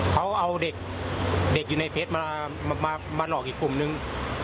เขาเอาเด็กอยู่ในเฟสมาหลอกอีกกลุ่มนึง